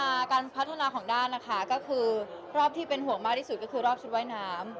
การพัฒนาของด้านนะคะก็คือรอบที่เป็นห่วงมากที่สุดก็คือรอบชุดว่ายน้ำ